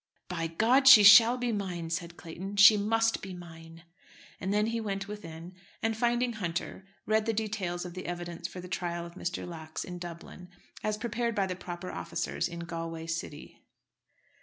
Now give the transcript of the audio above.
"By God! she shall be mine!" said Clayton. "She must be mine!" And then he went within, and, finding Hunter, read the details of the evidence for the trial of Mr. Lax in Dublin, as prepared by the proper officers in Galway city.